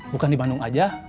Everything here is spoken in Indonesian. bukan di bandung aja